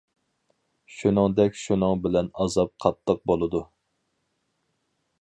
شۇنىڭدەك شۇنىڭ بىلەن ئازاب قاتتىق بولىدۇ.